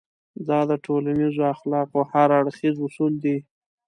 دا د ټولنيزو اخلاقو هر اړخيز اصول دی.